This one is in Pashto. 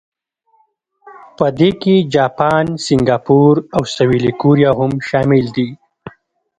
په دې کې جاپان، سنګاپور او سویلي کوریا هم شامل دي.